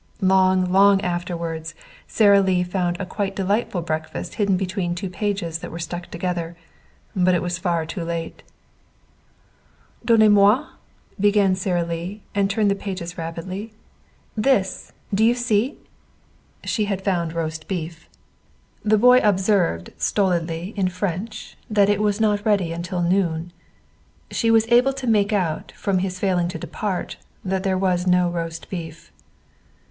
Long, long afterward Sara Lee found a quite delightful breakfast hidden between two pages that were stuck together. But it was then far too late. "Donnez moi," began Sara Lee, and turned the pages rapidly, "this; do you see?" She had found roast beef. The boy observed stolidly, in French, that it was not ready until noon. She was able to make out, from his failing to depart, that there was no roast beef.